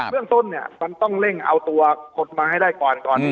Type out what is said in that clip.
เรื่องต้นเนี่ยมันต้องเร่งเอาตัวคนมาให้ได้ก่อนก่อน